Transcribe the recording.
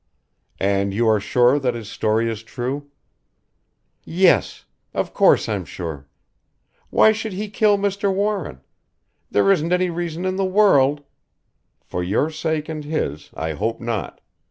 "And you are sure that his story is true?" "Yes. Of course I'm sure. Why should he kill Mr. Warren? There isn't any reason in the world " "For your sake and his, I hope not.